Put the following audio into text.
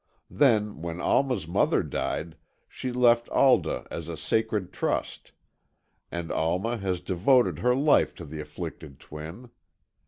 Then, when Alma's mother died, she left Alda as a sacred trust, and Alma has devoted her life to the afflicted twin.